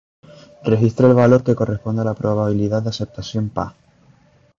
Registre el valor que corresponde a la probabilidad de aceptación Pa.